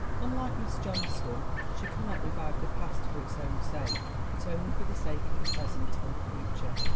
Unlike Miss Johnston, she cannot revive the past for its own sake, but only for the sake of the present and the future.